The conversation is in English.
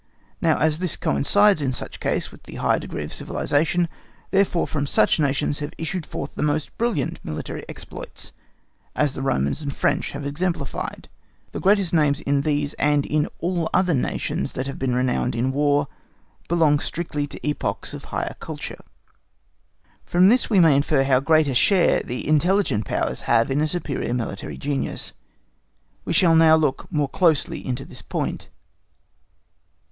Now as this coincides in such case with the higher degree of civilisation, therefore from such nations have issued forth the most brilliant military exploits, as the Romans and the French have exemplified. The greatest names in these and in all other nations that have been renowned in War belong strictly to epochs of higher culture. From this we may infer how great a share the intelligent powers have in superior military genius. We shall now look more closely into this point.